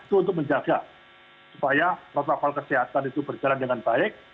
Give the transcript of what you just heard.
itu untuk menjaga supaya protokol kesehatan itu berjalan dengan baik